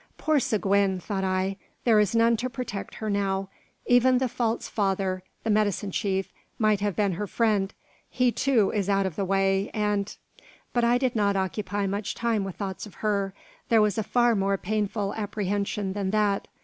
"Poor Seguin!" thought I: "there is none to protect her now. Even the false father, the medicine chief, might have been her friend. He, too, is out of the way, and " But I did not occupy much time with thoughts of her; there was a far more painful apprehension than that.